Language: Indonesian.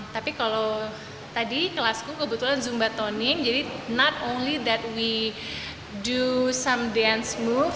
tapi kalau tadi kelasku kebetulan zumbatoning jadi tidak hanya kita melakukan beberapa gerakan dan dan